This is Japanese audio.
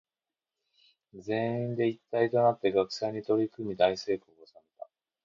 全員で一体となって学祭に取り組み大成功を収めた。